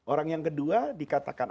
orang yang kedua dikatakan